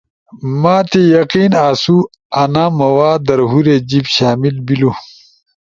ما تی یقین اسو انا مواد در ہورے جیِب شامل بیلو۔